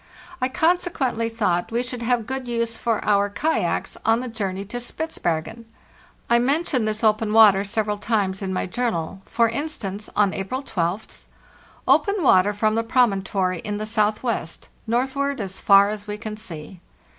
I conse quently thought we should have good use for our kayaks on the journey to Spitzbergen. I mention this open water several times in my journal. For instance, on Apmil rath: "Open water from the promontory in the southwest, northward as far as we can see."